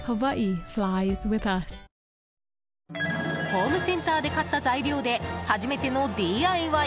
ホームセンターで買った材料で初めてのＤＩＹ。